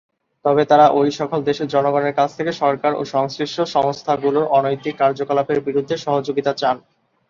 তবে তারা ঐ সকল দেশের জনগণের কাছ থেকে সরকার ও সংশ্লিষ্ট সংস্থাগুলোর অনৈতিক কার্যকলাপের বিরুদ্ধে সহযোগিতা চান।